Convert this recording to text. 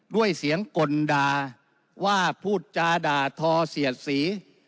ด้วยเสียงกลด่าว่าพูดจาด่าทอเสียดสี